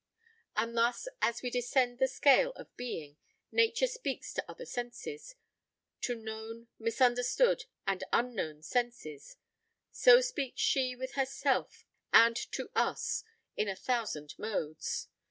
And thus as we descend the scale of being, Nature speaks to other senses to known, misunderstood, and unknown senses: so speaks she with herself and to us in a thousand modes.